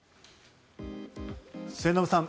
末延さん